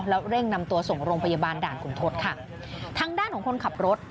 แล้วเร่งนำตัวส่งโรงพยาบาลด่านขุนทศค่ะทางด้านของคนขับรถ